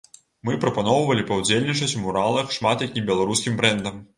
Мы прапаноўвалі паўдзельнічаць у муралах шмат якім беларускім брэндам.